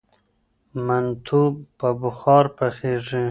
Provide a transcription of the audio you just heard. منتو په بخار پخیږي.